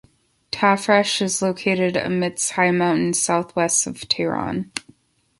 Tafresh is located amidst high mountains southwest of Tehran.